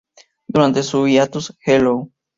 Durante su hiatus, Hello!